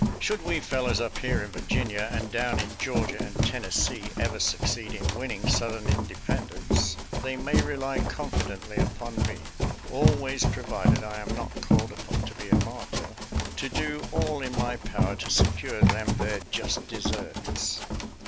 Should we fellows up here in Vir ginia and down in Georgia and Tennessee ever succeed in winning Southern independence, they may rely confidently upon me — always provided I am not called upon to be a martyr — to do all in my power to secure them their just deserts.